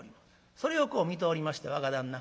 それをこう見ておりました若旦那